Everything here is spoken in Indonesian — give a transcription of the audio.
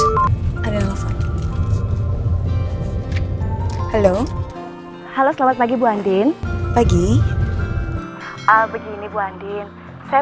hai ada telefon he internal halo halo selamat pagi bu andien pagi abegin ibu adle saya